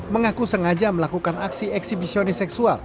mengaku sengaja melakukan aksi eksibisionis seksual